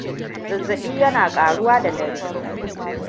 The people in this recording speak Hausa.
zazzabi yana ƙaruwa da dare